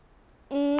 うん？